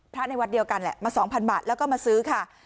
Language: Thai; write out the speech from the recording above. ในวัดเดียวกันแหละมา๒๐๐บาทแล้วก็มาซื้อค่ะ